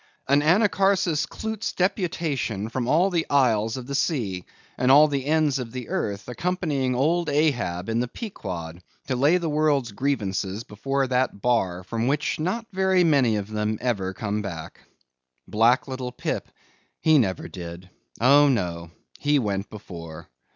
An Anacharsis Clootz deputation from all the isles of the sea, and all the ends of the earth, accompanying Old Ahab in the Pequod to lay the world's grievances before that bar from which not very many of them ever come back. Black Little Pip—he never did—oh, no! he went before.